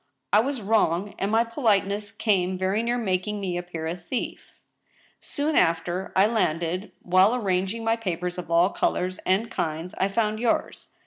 I was wrong, and my politeness came very near making me appear a thief. " Soon after I landed, while arranging my papers of all colors and kinds, I found yours.